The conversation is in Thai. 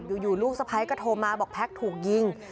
ลูกสะพ้ายก็โทรมาบอกแพ็คถูกยิง